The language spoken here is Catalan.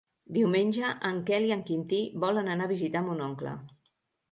Diumenge en Quel i en Quintí volen anar a visitar mon oncle.